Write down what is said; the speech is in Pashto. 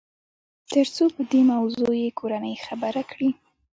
تر څو په دې موضوع يې کورنۍ خبره کړي.